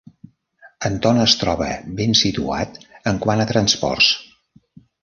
Anton es troba ben situat en quant a transports.